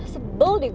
tapi sama dia